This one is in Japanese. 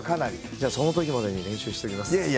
じゃあそのときまでに練習しておきます。